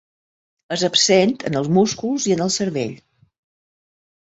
És absent en els músculs i en el cervell.